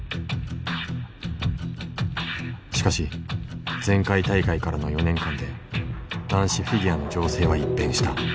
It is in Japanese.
しかし前回大会からの４年間で男子フィギュアの情勢は一変した。